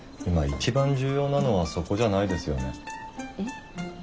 今一番重要なのはそこじゃないですよね。